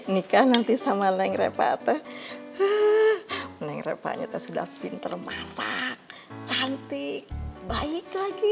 nika nanti sama lengrepa atau menggapainya sudah pinter masak cantik baik lagi